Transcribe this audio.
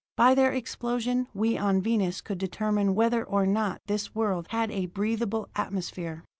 By their explosion we on Venus could determine whether or not this world had a breathable atmosphere.